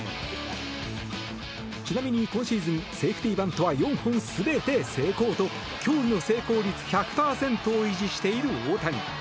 ちなみに、今シーズンセーフティーバントは４本全て成功と驚異の成功率１００％を維持している大谷。